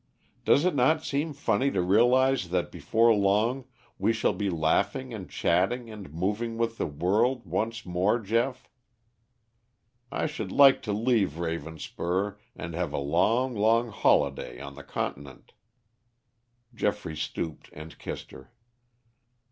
Does it not seem funny to realize that before long we shall be laughing and chatting and moving with the world once more, Geoff? I should like to leave Ravenspur and have a long, long holiday on the Continent." Geoffrey stooped and kissed her.